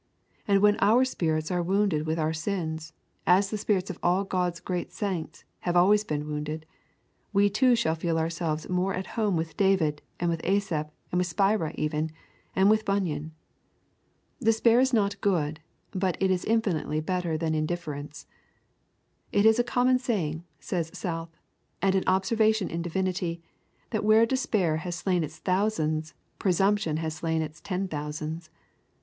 And when our spirits are wounded with our sins, as the spirits of all God's great saints have always been wounded, we too shall feel ourselves more at home with David and with Asaph, with Spira even, and with Bunyan. Despair is not good, but it is infinitely better than indifference. 'It is a common saying,' says South, 'and an observation in divinity, that where despair has slain its thousands, presumption has slain its ten thousands.